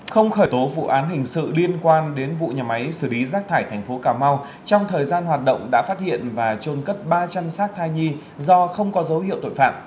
không khởi tố vụ án hình sự liên quan đến vụ nhà máy xử lý rác thải thành phố cà mau trong thời gian hoạt động đã phát hiện và trôn cất ba trăm linh xác thai nhi do không có dấu hiệu tội phạm